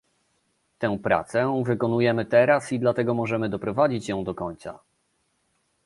Tę pracę wykonujemy teraz i dlatego możemy doprowadzić ją do końca